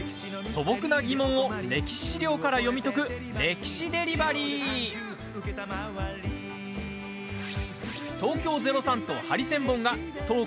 素朴な疑問を歴史資料から読み解く「歴史デリバリー」。